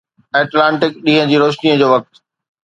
Atlantic ڏينهن جي روشني جو وقت